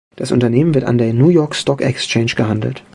Das Unternehmen wird an der New York Stock Exchange gehandelt.